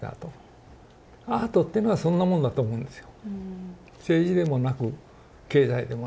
アートっていうのはそんなもんだと思うんですよ。